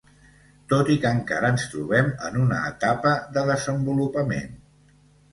Tot i que encara ens trobem en una etapa de desenvolupament.